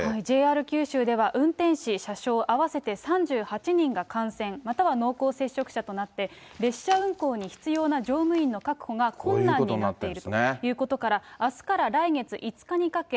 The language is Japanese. ＪＲ九州では、運転士、車掌、合わせて３８人が感染、または濃厚接触者となって、列車運行に必要な乗務員の確保が困難になっているということから、あすから来月５日にかけ、